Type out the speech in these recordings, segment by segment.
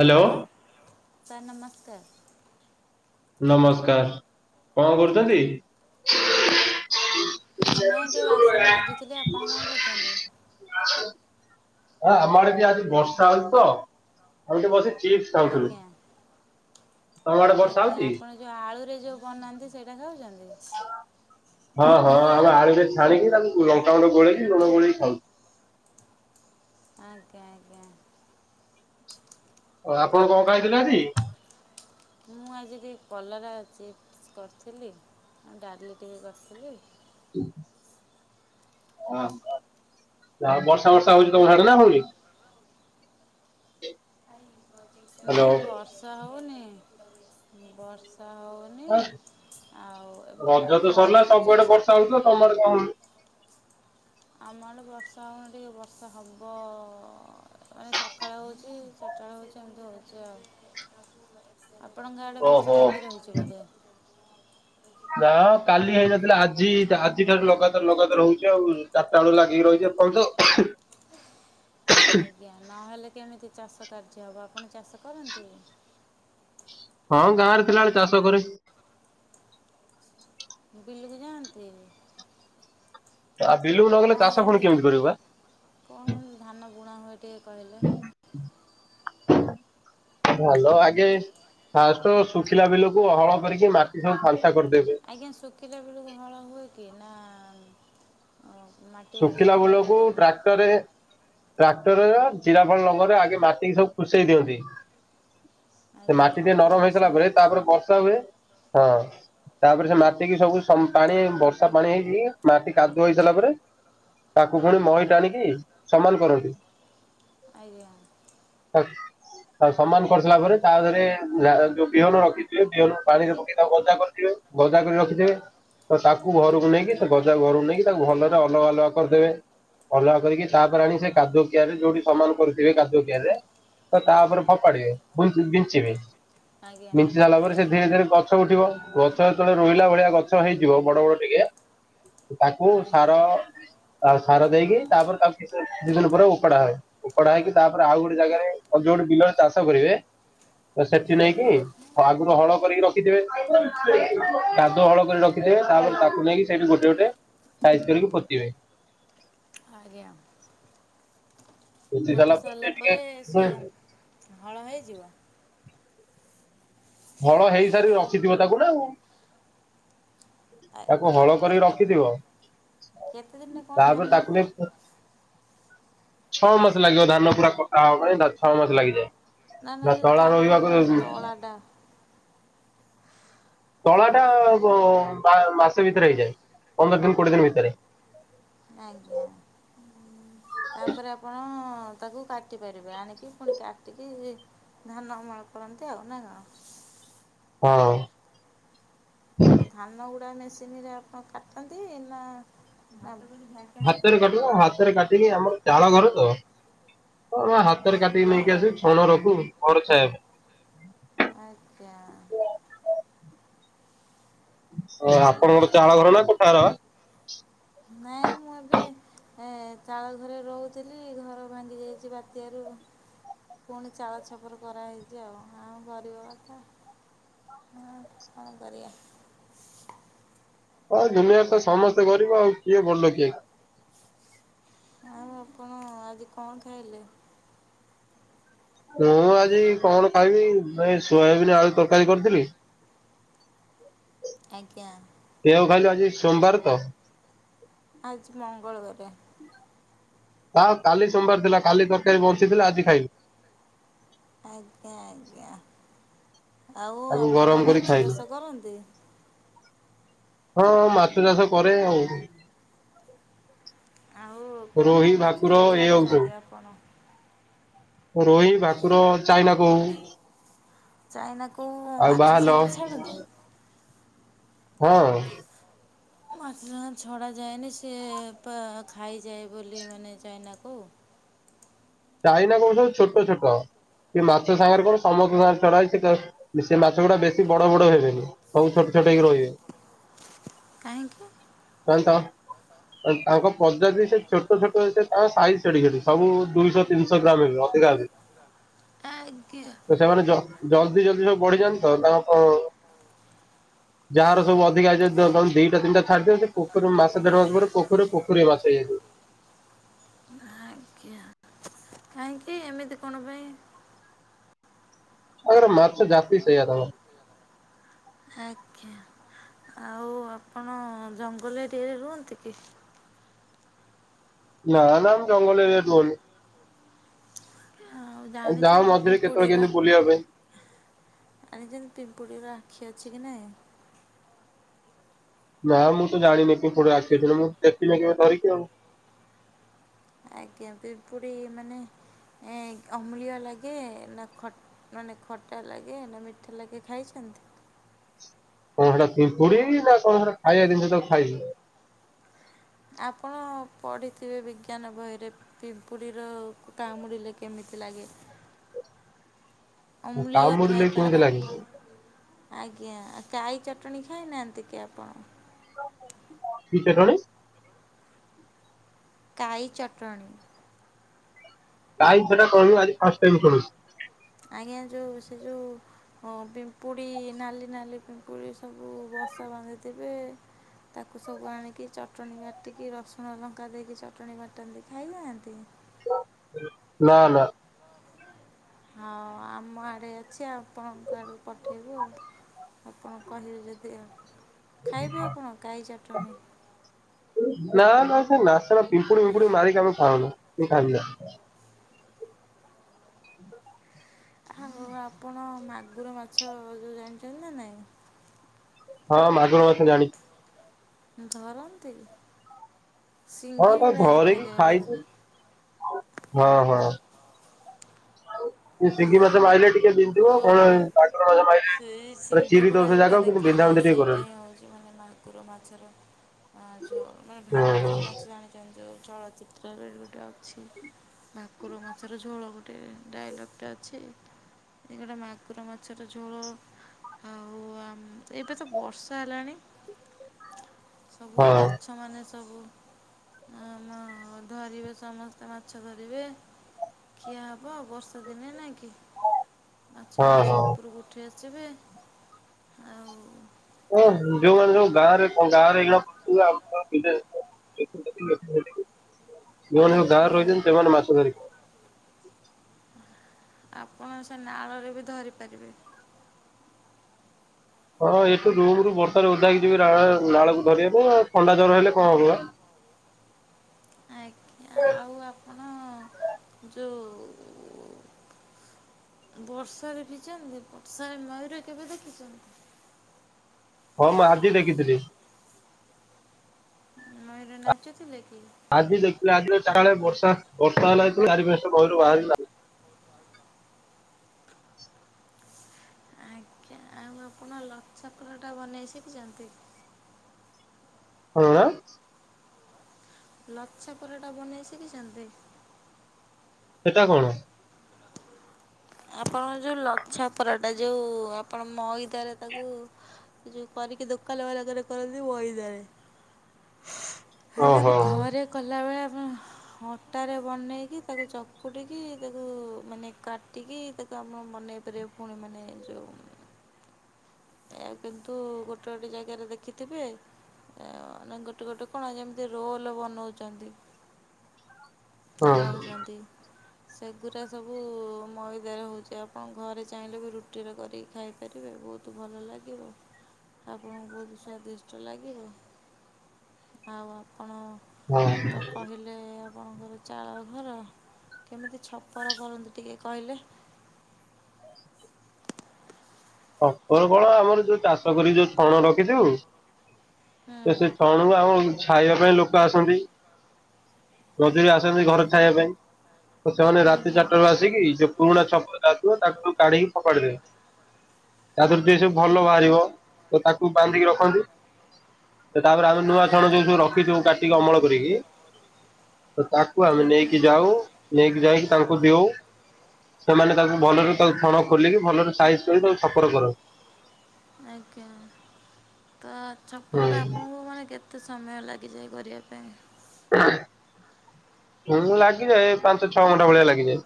Hello hello sir ନମସ୍କାର। ନମସ୍କାର କଣ କରୁଛନ୍ତି? କିଛି ନାହିଁ ଟିକେ ବାସନ ମାଜୁଥିଲି ଆପଣ କଣ କରୁଛନ୍ତି? ଆ ଆମ ଆଡେ ଟିକେ ଆଜି ବର୍ଷା ହଉଛି ତ ଏମତି ବସି ଚିପ୍ସ ଖାଉଥିଲୁ ଆଜ୍ଞା ତମ ଆଡେ ବର୍ଷା ହଉଛି? ଯୋଉ ଆଳୁରେ ଯୋଉ ବନାନ୍ତି ସେଇଟା ଖାଉଛନ୍ତି? ହଁ ହଁ ଆଉ ଆଳୁରେ ଛାଣିକି ତାକୁ ଲଙ୍କା ଗୁଣ୍ଡ ଗୋଳେଇକି ଲୁଣ ଗୋଳେଇ ଖାଉଛୁ। ଆଜ୍ଞା ଆଜ୍ଞା। ଓ ଆପଣ କଣ ଖାଇ ଥିଲେ ଆଜି? ମୁଁ ଆଜି ଟିକେ କଲରା ଚିପ୍ସ କରିଥିଲି ଆଉ ଡାଲି ଟିକେ କରିଥିଲି। ହୁଁ। ହ [unintelligible] ବର୍ଷା ବର୍ଷା ହଉଛି ତମ ସାଡେ ନ ହଉନି? ହ୍ୟାଲୋ ନାଇଁ ବର୍ଷା ହଉନି ବର୍ଷା ହଉ ରଜ ତ ଖରା ସରିଲା ହଉଛି ସବୁଆଡେ ସକ ବର୍ଷା ହଉଥିଲା ତମ ଆଡେ କଣ ହଉନି? ଆମ ଆଡେ ବର୍ଷା ହଉନି ଟିକେ ବର୍ଷା ହବ [unintelligible] ସଖାଳ ହଉଛି ଚା [unintelligible] ହଉଛି ଏମତି ହଉଛି ଆଉ ଆପଣଙ୍କ ଆଡ଼େ ଓହୋ। ବର୍ଷା ଲାଗି ରହିଛି ବୋଧେ? ନା କାଲି ହେଇନଥିଲା ଆଜି ଆଜି ଠାରୁ ଲଗାତାର ଲଗାତାର ହଉଛି ଆଉ ରା ଲଗାତାର ଲାଗିକି ରହୁଛି ଆଉ ଏପର୍ଯ୍ୟନ୍ତ। ଆଜ୍ଞା ନହେଲେ କେମିତି ଚାଷ କାର୍ଯ୍ୟ ହବ ଆପଣ ଚାଷ କରନ୍ତି? ହଁ ଗାଁ ରେ ଥିଲାଆଳେ ଚାଷ କରେ। ବିଲୁକୁ ଯାଆନ୍ତି? ଆଉ ବିଲୁକୁ ନଗଲେ ଚାଷ ପୁଣି କେମିତି କରିବୁ ଆ। କଣ କେମତି ଧାନ ବୁଣା ହୁଏ ଟିକେ କହିଲେ। । ଭଲ ଆଗେ ଫାଷ୍ଟ ଶୁଖିଲା ବିଲକୁ ହଳ କରିକି ମାଟି ସବୁ ଫାଙ୍କା କରିଦେବେ। ଆଜ୍ଞା ଶୁଖିଲା ବିଲକୁ ହଳ ହୁଏ କି ନା ଅ, ମାଟି ଓଦା ଶୁଖିଲା ଥିଲାବେଳେ ବିଲକୁ ଟିକେ ଟ୍ରାକ୍ଟରରେ ଟ୍ରାକ୍ଟରରେ ଜିରା ଫଳ ଲଙ୍ଗଳରେ ଆଗେ ମାଟିିକି ସବୁ କୁଷେଇ ଦିଅନ୍ତି। ସେ ଆଜ୍ଞା ମାଟି ଟିକେ ତାପରେ ନରମ ବର୍ଷା ହେଇସାରିଲା ହୁଏ ପରେ ତାପରେ ବର୍ଷା ହୁଏ ହଁ। ତାପରେ ସେ ମାଟିକିି ସବୁ ପାଣି ବର୍ଷା ପାଣି ହେଇକି ମାଟି କାଦୁଅ ହେଇସିରିଲା ପରେ ତାକୁ ପୁଣି ମହି ଟାଣିକି ସମାନ କରନ୍ତିୁ। ଆଞା। [unintelligible] ସମାନ କରିସାରିଲା ପରେ ତାଦେହରେ ଯୋଉ ବିହନ ରଖିଥିବେ ବିହନ ପାଣିରେ ପକେଇ ତାକୁ ଗଜା କରିଥିବେ। ଗଜା କରି ରଖିଥିବେ ତତାକୁ ଘରକୁ ନେଇକି ସେଗଜା ଘରକୁ ନେଇକି ତାକୁ ଭଲରେ ଅ ଅଲଗା ଅଲଗା କରିଦେବେ ଅଲଗା କରିକି ତାପରେ ଆଣିକି ସେକାଦୁଅ କିଆରିରେ ଯୋଉଠି ସମାନ କରୁଥିବେ କାଦୁଅ କିଆରିରେ ତ ତାପରେ ଫପାଡ଼ିବେ ବିଞ୍ଚିବେ ଆଜ୍ଞା ବିଞ୍ଚି ସାରିଲା ପରେ ସେ ଧୀରେ ଧୀରେ ଗଛ ଗଛ ଉଠିବ ଗଛ ଯେତେବେଳେ ରୋହିଲା ଭଳିଆ ଗଛ ହେଇଯିବ ବଡ଼ ବଡ଼ ଟିକେ ତାକୁ ଆଜ୍ଞା ସାର ତାକୁ ସାର ଦେଇକି ତାପରେ ତାକୁ ଦିଇ ଦିନ ପରେ ଉପାଡ଼ା ହୁଏ। ଓପୋଡ଼ା ହେଇକି ତାପରେ ଆଉ ଗୋଟେ ଜାଗାରେ ଯୋଉଠି ବିଲରେ ଚାଷ କରିବେ ତସେଠି ନେଇକି ଆଜ୍ଞା ତଆଗରୁ ହଳ କରିକି ରଖିଥିବେ କାଦୁଅ ହଳ କରିକି ରଖିଥିବେ ତାପରେ ତାକୁ ନେଇକି ସେଇଠୁ ଗୋଟେ ଗୋଟେ ସାଇଜ୍ କରିକି ପୋତିିବେ। ଆଜ୍ଞା। ପୋତି ସାରିଲା ପରେ ସିଏ ହଳ ହେଇଯିବ। ହଳ ହେଇସାରି ରଖିଥିବ ତାକୁନା ଆଉ। ତାକୁ ଆଜ୍ଞା ହଳ ଆଜ୍ଞା କରି ତା ରଖିଥିବ କେତେ ଦିନରେ କ'ଣ ତାପରେ ଧାନ ତାକୁ ଉଠେ ନେଇ ପୋ ଛଅ ମାସ ଲାଗିବ ଧାନ ପୁରା କଟା ହବା ପାଇଁ ଛଅ ମାସ ଲାଗିଯାଏ ତଳା ରୋଇବାକୁ ବାଡା ତଳାଟା ବ ମା ମାସେ ଭିତରେ ହେଇଯାଏ ପନ୍ଦର ଦିନି କୋଡ଼ିଏ ଦିନି ଭିତରେ। ଆଜ୍ଞା ତାପରେ ଆପଣ ତାକୁ କା କାଟି ପାରିବେ ଆଣିକି ପୁଣି କାଟିକି ଧାନ ଅମଳ କରନ୍ତି ଆଉ ନାକଣ? ହଁ। ଧାନ ଗୁଡ଼ା ମେସିନିରେ ଆପଣ କାଟନ୍ତି ନା [unintelligible] ହାତରେ ଥିବ କାଟୁବା ହାତରେ କାଟିକି ଆମର ଚାଳ ଘରତ ଆମେ ହାତରେ କାଟିକି ଆଜ୍ଞା ନେଇକି ଆସିବୁ ଛଣ ରଖୁ ଘର ଛାଇବା ପାଇଁ। ଆଜ୍ଞା। ଅଁ ଆପଣଙ୍କର ଚାଳ ଘରନା କୋଠା ଘର? ନାଇଁ ମୁଁ ଏବେ ଅଁ ଚାଳ ଘରେ ରହୁଥିଲି ଘର ଭାଙ୍ଗି ଯାଇଚି ବାତ୍ୟାରୁ ପୁଣି ଚାଳ ଛପର କରାହେଇଚି ଆଉ ଆମର ଗରିବ ଘରତ ହଁ କଣ କରିବା? ହଁ ଦୁନିଆରେତ ସମସ୍ତେ କରିବ ଆଉ କିଏ ବଡ଼ ଲୋକିଆକି? ଆଉ ଆପଣ ଆଜି କଣ ଖାଇଲେ? ମୁଁ ଆଜି କଣ ଖାଇବି ଏ ସୋୟାବିିନ୍ ଆଳୁ ତରକାରୀ କରିଥିଲି ଆଜ୍ଞା। ଏଇଆକୁ ଖାଲି ଆଜି ସୋମବାରତ ଆଜି ମଙ୍ଗଳବାରେ। ତା କାଲି ସୋମବାରେ ଥିଲା କାଲି ତରକାରୀ ବଞ୍ଚିଥିଲା ଆଜି ଖାଇଲିି। ଆଜ୍ଞା ଆଜ୍ଞା ଆଉ ତାକୁ ଆପଣ ଗରମ କରି ମାଛ ଖାଇଲି। ଚାଷ କରନ୍ତି? ହଁ ମାଛ ଚାଷ କରେ ଆଉ। ଆଉ କୋଉ କୋଉ ରୋହି ମାଛ ଭାକୁର ସବୁ ଏଇ ହଉ ସବୁ। ଛାଡ଼ିଛନ୍ତି ଆପଣ? ରୋହି, ଭାକୁଡ, ଚାଇନା କଉ। ଚାଇନା କଉ ଆଉ ମାଛ ବାହାଲ ସାଙ୍ଗରେ ଛାଡ଼ନ୍ତି? ହଁ। ମାଛ ସାଙ୍ଗ ରେ ଛଡ଼ାଯାଏନି ସିଏ ପା ଖାଇଯାଏ ବୋଲି ମାନେ ଚାଇନା କଉ। ଚାଇନା କଉ ସବୁ ଛୋଟ ଛୋଟ, ଏ ମାଛ ସାଙ୍ଗରେ କଣ ସମସ୍ତ ସାଙ୍ଗରେ ଛଡା ହେଇଛି। ତ ସେ ମାଛ ଗୁଡା ବେଶୀ ବଡ ବଡ ହେବେନି, ସବୁ ଛୋଟ ଛୋଟ ହେଇକି ରହିବେ। କାହିଁକି? କାହିଁକି ତ ଅ, ତାଙ୍କ ପ୍ରଜାତି ସେ ଛୋଟ ଛୋଟ ସେ ତାଙ୍କ ସାଇଜ୍ ସେଡିକି ସେଡିକି। ସବୁ ଦୁଇଶହ ତିିନଶହ ଗ୍ରାମ୍ ହେବେ ଅଧିକା ହେବେନି। ଆଜ୍ଞା। ତ ସେମାନେ ଜ-ଜଲଦି ଜଲଦି ସବୁ ବଢିଯାନ୍ତି ତ, ତାଙ୍କ ପ ଯାହାର ସବୁ ଅଧିକା ଅଛି ଦ-କଣ ଦିଟା ତିନିଟା ଛାଡିଦିଅ, ସେ ପୋଖରୀ ମାସେ ଦେଢ଼ ମାସ ପରେ ପୋଖରୀ ରେ ପୋଖରୀଏ ମାଛ ହେଇଯାଇଥିବ। ଆଜ୍ଞା। କାହିଁକି? ଏମିତି କଣ ପାଇଁ? ତାଙ୍କର ମାଛ ଜାତି ସେଇଆ ତାଙ୍କ। ଆଚ୍ଛା। ଆଉ ଆପଣ ହଁ ଜଙ୍ଗଲ ଏରିଆରେ ରୁହନ୍ତି କି? ନା ନା ମୁଁ ଜଙ୍ଗଲ ଏରିଆରେ ରୁହେନି। ଆଉ ଯାଉ ଜାଣିଛନ୍ତି ମଝିରେ କେତେବେଳେ ପିମ୍ପୁଡ଼ିର [unintelligible] ପାଇଁ। ଜାଣିଚନ୍ତି ପିମ୍ପୁଡ଼ିର ଆଖି ଅଛି କି ନାଇଁ? ନା ମୁଁ ତ ଜାଣିନି ପିମ୍ପୁଡ଼ି ର ଆଖି ଅଛି ନା, ମୁଁ ଦେଖିନି କେବେ ଧରିକି ଆଉ। ଆଜ୍ଞା ପିମ୍ପୁଡ଼ି ମାନେ ଏଁ, ଅମ୍ଳୀୟ ଲାଗେ ନା ଖ ମାନେ ଖଟା ଲାଗେ ନା ମିଠା ଲାଗେ ଖାଇଛନ୍ତି? କଣ ସେଟା ପିମ୍ପୁଡି ନା କଣ ସେଟା ଖାଇବା ଜିନିଷ ତାକୁ ଖାଇବି? ଆପଣ ପଢ଼ିଥିବେ ବିଜ୍ଞାନ ବହିରେ। ପିମ୍ପୁଡ଼ିର କାମୁଡ଼ିଲେ କେମିତି ଲାଗେ। ଅମ୍ଲୀୟ ଥାଏ କାମୁଡିଲେ କେମିତି ତାର ଲାଗେ। ଆଜ୍ଞା କାଈ ଚଟଣି ଖାଇନାହାନ୍ତି କି ଆପଣ? କି ଚଟଣି? କାଈ ଚଟଣୀ। କାଈ ସେଟା କଣି ଆଜି ଫାଷ୍ଟ ଟାଇମ୍ ଶୁଣୁଛି। ଆଜ୍ଞା ଯୋଉ ସେ ଯୋଉ ହଁ ପିମ୍ପୁଡ଼ି ନାଲି ନାଲି ପିମ୍ପୁଡ଼ି ସବୁ ବସା ବାନ୍ଧିଥିବେ। ତାକୁ ସବୁ ଆଣିକି ଚଟଣି ବାଟିକି ରସୁଣ ଲଙ୍କା ଦେଇକି ଚଟଣି ବାଟନ୍ତି ଖାଇନାହାନ୍ତି? ନା, ନା। ହଁ ଆମ ଆଡ଼େ ଅଛି ଆପଣଙ୍କ ଆଡକୁ ପଠେଇବୁ ଆଉ। ଆପଣ କହିବେ ଯଦି ଆ, ଖାଇବେ ଆପଣ କାଈ ଚଟଣି? ନା ନା ସେ ନାସନା ପିମ୍ପୁଡ଼ିି ମିମ୍ପୁଡି ମାରିକି ଆମେ ଖାଉନୁ, କିଏ ଖାଆନ୍ତି ନା। ଆଉ ଆପଣ ମାଗୁର ମାଛ ଯୋଉ ଜାଣିଚନ୍ତି ନା ନାଇଁ? ହଁ ମାଗୁର ମାଛ ଜାଣିଚି। ଧରନ୍ତି ହଁ ସିଙ୍ଗି ତାକୁ ଭଳିଆ ଧରିକି ଦେଖାଯାଏ ବୋଧେ? ଖାଇଛି। ହଁ ହଁ। ସେଇ ସିଙ୍ଗି ମାଛ ମାଇଲେ ଟିକେ ଜି ଯିବ କଣ ଏ ହଁ। ମଗୁର ମାଛ ମାଇଲେ ସେଇ ଗୋଟେ ସିଙ୍ଗି ଚିରି ଦବ ଭଳିଆ ସେଇ ଯେଉଁଟା ଜାଗାକୁ ବିନ୍ଧା ବିନ୍ଧି ଟିକେ କରିବନି। କୁର ମାଛ ର ଆ ଝୋଳ ମାନେ ହୁଁ ହୁଁ ଭାକୁର ମାଛ ଜାଣି ଏ ଯୋଉ ଚଳଚିତ୍ର ଗୋଟେ ଅଛି। ଭାକୁର ମାଛର ଝୋଳ ଗୋଟେ ଡାଇଲୋକ୍ ଟେ ଅଛି। ଏଇଗୁରା ମାଗୁର ମାଛର ଝୋଳ। ଆଉ ଆମ୍ ଏବେ ତ ବର୍ଷା ହେଲାଣି ସବୁ ହଁ ମାଛ ମାନେ ସବୁ ଆମ ଧରିବେ ସମସ୍ତେ ମାଛ ଧରିବେ। ଖିଆ ହେବ ବର୍ଷା ଦିନେ ନାଈଁ କି? ମାଛ ହଁ ମାନେ ସବୁ ହଁ। ଉପରକୁ ଉଠି ଆସିବେ ଆଉ ହଁ ଯୋଉମାନୋ ଆ- ସବୁ ଗାଁରେ ଗାଁରେ କ। [inaudible] ଯୋଉମାନେ ସବୁ ଗାଁରେ ଆଜ୍ଞା ରହିଛନ୍ତି ସେମାନେ ମାଛ ଧରି ଆପଣ ସେ ନାଳରେ ବି ଧରିପାରିବେ। ହଁ ଏଠୁ ରୁମ୍ ରୁ ବର୍ଷାରେ ଓଦା ହେଇକି ଯିବି ନାଳକୁ ଧରିବା ପାଇଁ ଥଣ୍ଡା ଜ୍ୱର ହେଲେ କଣ ହବ ବା ଆଜ୍ଞା ଆଉ ଆପଣ ଯୋଉଁ ବର୍ଷାରେ ଭିଜନ୍ତି ବର୍ଷାରେ ମୟୂର କେବେ ଦେଖିଛନ୍ତି? ହଁ ମୁଁ ଆଜି ଦେଖିଥିଲି। ମୟୂର ନାଚୁଥିଲେ କି? ଆଜି ଦେଖିଲେ ଆଜି ଚାଳେ ବର୍ଷା ବର୍ଷା ହେଲା ଜେତେବେ ଲଳେ ଚାରି ପନ୍ଚ୍ ଟା ଧାଇଲୁ ବାହାରିଲା। ଆଜ୍ଞା ଆଉ ଆପଣ ଲଛାପରଟା ବନେଇ ଶିଖିଛନ୍ତି? [unintelligible] ଲଛା ପରଟା ବନେଇ ଶିଖିଛନ୍ତି? ସେଟା କଣ? ଆପଣଙ୍କ ଯେଉଁ ଲଛା ପରାଟା ଯେଉଁ ଆପଣ ମଇଦାରେ ତାକୁ ଯୋଉ କରିକି ଦୋକାନ ବାଲା ଲାଗରେ କରନ୍ତି ମୁଇଦାରେ। ହେଲେ ମୁ ଓହୋ ଘରେ କଲାବେଳେ ଆପଣ ଅଟାରେ ବନେଇକି ତାକୁ ଚକୁଟିକି ତାକୁ ମାନେ କାଟ ଟିକି ତାକୁ ଆପଣ ମନେଇ ପାରିବେ ପୁଣି ମାନେ ଯେଉଁ ଆଜ୍ଞା କିନ୍ତୁ ଗୋଟେ ଗୋଟେ ଜାଗାରେ ଦେଖିଥିବେ ମାନେ ଗୋଟେ ଗୋଟେ କଣ ଯେମିତି ରୋଲ ବନଉଛନ୍ତି। ହଁ ଖାଉଛନ୍ତି। ସେଗୁଡ଼ା ସବୁ ମଇଦାରେ ହେଉଛି ଆପଣ ଘରେ ଚାହିଁଲେ ବି ରୁଟିରେ କରିକି ଖାଇପାରିବେ ବହୁତ। ବହୁତ ଭଲ ଲାଗିବ ଆପଣଙ୍କୁ ବହୁତ ସ୍ଵାଦିଷ୍ଟ ଲାଗିବ। ଆଉ ଆପଣ ହଁ ତ କହିଲେ ହେଲେ ଆପଣଙ୍କର ଚାଳ ଘର କେମିତି ଛପର କରନ୍ତି ଟିକେ କହିଲେ? ଛପର କଣ ଆମର ଯୋଉ ଚାଷ କରିକି ଯୋଉ ଛଣ ରଖିଥିବୁ ହୁଁ ସେ ସେ ଛଣୁ ଆଉ ଛାଇବା ପାଇଁ ଲୋକ ଆସନ୍ତି ମଝିରେ ଆସନ୍ତି ଘରେ ଛାଇବା ପାଇଁ। ସେମାନେ ରାତି ଆଜ୍ଞା ଚାରିଟା ରୁ ଆସିକି ଯୋଉ ପୁରୁଣା ଛପ ଟା ଥିବ ତାକୁ କାଢିକି ଫପାଡିଦେବେ। ତାଥିରୁ ଟିକେ ସବୁ ଆଜ୍ଞା ଭଲ ବାହାରିବ ତ ତାକୁ ବାନ୍ଧିକି ରଖନ୍ତି। ତାପରେ ଆମେ ନୂଆ ଛଣ ଯୋଉ ସବୁ ରଖିଛୁ କାଟିକି ଅମଳ କରିକି ତାକୁ କୁ ଆମେ ଆଜ୍ଞା ନେଇକି ଯାଉ ନେଇକି ଯାଇକି ତାଙ୍କୁ ଦଉ। ସେମାନେ ତାକୁ ଭଲରେ ତାକୁ ଛଣ ଖୋଲିକି ଭଲରେ ସାଇଜ କରି ତାକୁ ଛଫର କରନ୍ତି। ଆଜ୍ଞା ତ ଛପରଟା ଆପଣଙ୍କୁ ମାନେ କେତେ କେତେ ସମୟ ଲାଗିଯାଏ କରିବା ପାଇଁ? ଲାଗିଯାଏ ପାଞ୍ଚ, ଛଅ ଘଣ୍ଟା ଭଳିଆ ଲାଗିଯାଏ।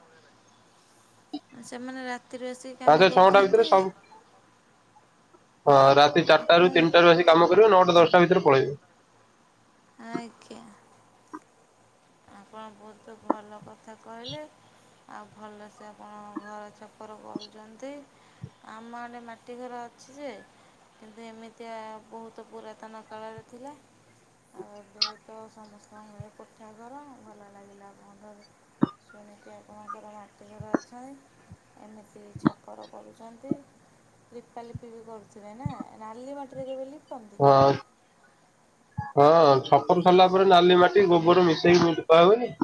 ସେମାନେ ରାତିରେ ଆସି ପାଞ୍ଚ କାମ ଛଅ ଘଣ୍ଟା ଭିତରେ କରୁଥାନ୍ତି। ସବୁ ହଁ ରାତି ଚାରିଟାରୁ, ଆପଣ ତିନିଟା ରୁ ଆସି କାମ କରିବେ ନଅଟା, ଦଶଟା ଭିତରେ ପଳେଇବେ। ଆଜ୍ଞା। ଆପଣ ବହୁତ ଭଲ କଥା କହିଲେ। ଆଉ ଭଲସେ ଆପଣ ଘର ଛପର କରୁଛନ୍ତି। ଆମ ଆଡ଼େ ମାଟି ଘର ଅଛି ଯେ କିନ୍ତୁ ଏମିତିଆ ବହୁତ ପୁରାତନ କାଳରେ ଥିଲା। ଆଉ ଏବେତ ସମସ୍ତଙ୍କର କୋଠା ଘର ଭଲ ଲାଗିଲା। [unintelligible] ଜେମିତିଆ [unintelligible] ମାଟି ଘର ଅଛି। ଏମିତି ଛପର କରୁଛନ୍ତି। ଲିପା ଲିପି ବି କରୁଥିବେ ନା ନାଲି ମାଟିରେ କେବେ ଲିପ? ଅ। ହଁ ଛପର ସରିଲା ପରେ ନାଲି ମାଟି ଗୋବର ମିଶେଇକି ଲିପା ହୁଏ।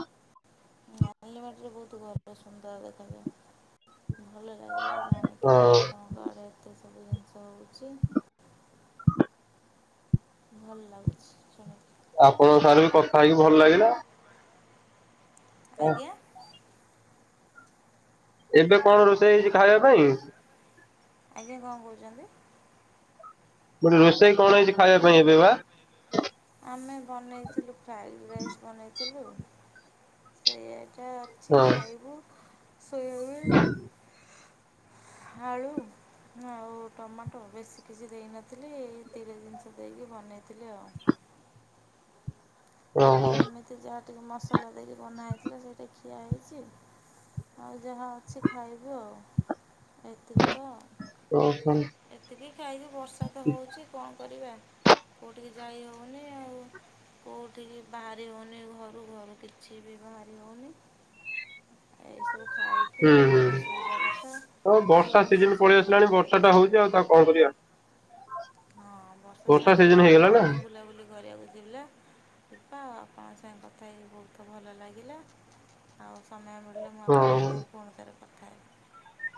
ନାଲି ମାଟିରେ ବହୁତ ଭଲ ସୁନ୍ଦର ଦେଖାଯାଏ ଭଲ ଲାଗିଲା ଜାଣି। କି ହଁ ଆପଣଙ୍କ ଆଡେ ଏତେ ସବୁ ଜିନିଷ ହଉଛି। ଭଲ ଲାଗୁଛି ଜାଣେ। ଆପଣଙ୍କ ସାଙ୍ଗରେ ବି କଥା ହେଇକି ଭଲ ଲାଗିଲା। ହଁ, ଆଜ୍ଞା। ଏବେ କଣ ରୋଷେଇ ହେଇଛି ଖାଇବା ପାଇଁ? ଆଜ୍ଞା କଣ କହୁଛନ୍ତି? ଗୋଟେ ରୋଷେଇ କଣ ହେଇଛି ଖାଇବା ପାଇଁ ଏବେ ବା? ଆମେ ବନେଇଥିଲୁ ଫ୍ରାଏଡ଼୍ ରାଇସ୍ ବନେଇଥିଲୁ। ସେଇଟା ଅଛି ହଁ ଖାଇବୁ ସୋଇବୁ। ଆଳୁ। ହଁ ଆଉ ଟମାଟୋ ବେଶୀ କିଛି ଦେଇନଥିଲି ଏତିକି ଜିନିଷ ଦେଇକି ବନେଇଥିଲି ଆଉ। ହଁ। ଏମିତି ଯାହା ଟିକେ ମସଲା ଦେଇକି ବନା ହେଇଥିଲା ସେଇଟା ଖିଆ ହେଇଛି। ଆଉ ଯାହା ଅଛି ଖାଇବୁ ଆଉ ଏତିକି ତ। ଉ ହ ଏତିକି ଖାଇବୁ ବର୍ଷା ତ ହଉଛି କଣ କରିବା। କୋଉଠିକି ଯାଇ ହଉନି ଆଉ କୋଉଠିକି ବାହାରି ହେଉନି ଘରୁ ଘରୁ କିଛି ବି ବାହାରି ହେଉନି ଏସବୁ ଖାଇ କି ହୁଁ ହୁଁ ଘରେ ଶୋଇବା କଥା ହଁ ଟିକେ ବର୍ଷା ସିଜନ ପଳେଇ ଛାଡ଼ି ଆସିଲାଣି ବର୍ଷା ଟା ହଉଛି ଆଉ ତା କଣ କରିବା। ହଁ ବର୍ଷା ଛାଡ଼ିଲେ ସିଜନ ହେଇଗଲା ଯାହା ନା ଟିକେ ବୁଲାବୁଲି କରିବାକୁ ଯିବା। ଦିପା ଆପଣଙ୍କ ସାଙ୍ଗେ କଥା ହେଇକି ବହୁତ ଭଲ ଲାଗିଲା। ଆଉ ସମୟ ମିଳିଲେ ମୁଁ ଆପଣଙ୍କ ହଁ। ସାଙ୍ଗେ ପୁଣି ଥରେ କଥା ହେବି।